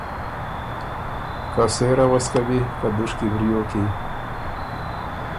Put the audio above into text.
که سېره وه سو کَوی که دُشکی وریو کی۔